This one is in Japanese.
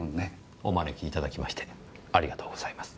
お招きいただきましてありがとうございます。